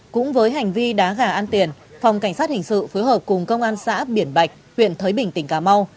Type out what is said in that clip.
cũng với hành vi đá gà ăn tiền phòng cảnh sát hình sự phối hợp cùng công an xã biển bạch huyện thới bình tỉnh cà mau